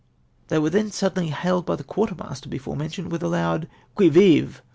They were then suddenly hailed by the quarter master before mentioned with a loud " Qui vive